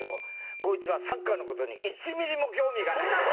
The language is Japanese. こいつはサッカーの事に１ミリも興味がない。